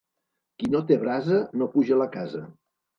Qui no té brasa, no puja la casa.